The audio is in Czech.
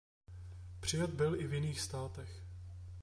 Přijat byl i v jiných státech.